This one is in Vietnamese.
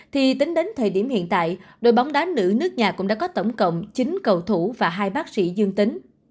thì tính đến thời điểm hiện tại đội bóng đá nữ nước nhà cũng đã có tổng cộng chín cầu thủ và hai bác sĩ dương tính